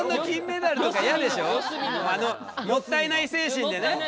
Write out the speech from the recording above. もったいない精神で。